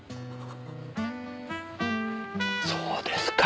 そうですか。